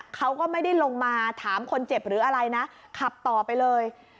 เขาก็ไม่ได้ลงมาถามคนเจ็บหรืออะไรนะขับต่อไปเลย